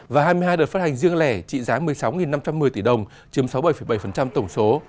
và hai mươi hai đợt phát hành riêng lẻ trị giá một mươi sáu năm trăm một mươi tỷ đồng chiếm sáu mươi bảy bảy tổng số